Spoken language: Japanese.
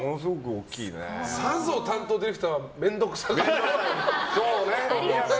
さぞ担当ディレクター面倒くさがりますね。